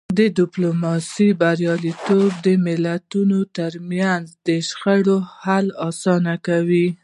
د ډیپلوماسی بریالیتوب د ملتونو ترمنځ د شخړو حل اسانه کوي.